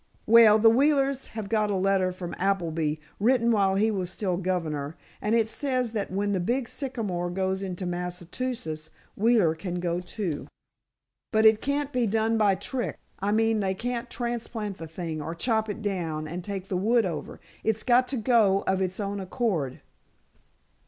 "Well, the Wheelers have got a letter from Appleby, written while he was still governor, and it says that when the big sycamore goes into Massachusetts, Wheeler can go, too. But it can't be done by a trick. I mean, they can't transplant the thing, or chop it down and take the wood over. It's got to go of its own accord."